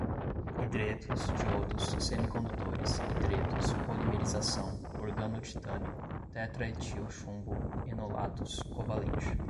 hidretos, diodos, semicondutores, hidretos, polimerização, organotitânio, tetraetilchumbo, enolatos, covalente